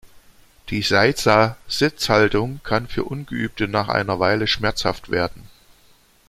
Die Seiza-Sitzhaltung kann für Ungeübte nach einer Weile schmerzhaft werden.